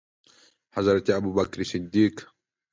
حضرت ابوبکر صدیق